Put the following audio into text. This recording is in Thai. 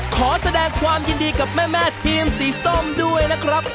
ขอแสดงความยินดีกับแม่ทีมสีส้มด้วยนะครับ